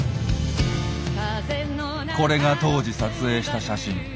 これが当時撮影した写真。